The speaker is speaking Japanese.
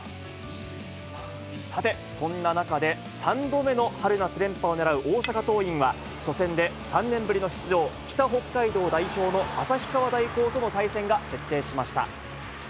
さて、そんな中で３度目の春夏連覇を狙う大阪桐蔭は、初戦で３年ぶりの出場、北北海道代表の旭川大高との対戦が決定しました。